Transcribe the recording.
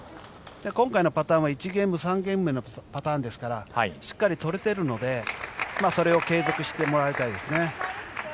今回のパターンは１ゲーム目、３ゲーム目のパターンですからしっかり取れているのでそれを継続してもらいたいですね。